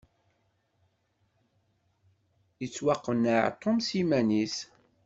Yettwaqenneɛ Tom s yiman-is.